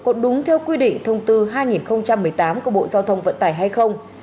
có đúng theo quy định thông tư hai nghìn một mươi tám của bộ giao thông vận tải hay không